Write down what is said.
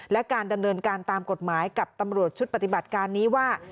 และการดำเนินการตามกฎหมายกับตำรวจชุดปฏิบัติการนี้ว่า